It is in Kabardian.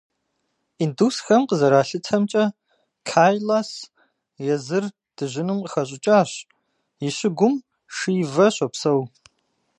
Индусхэм къызэралъытэмкӀэ, Кайлас езыр дыжьыным къыхэщӀыкӀащ, и щыгум Шивэ щопсэу.